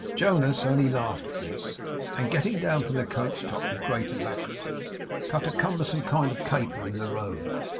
Jonas only laughed at this, and getting down from the coach top with great alacrity, cut a cumbersome kind of caper in the road.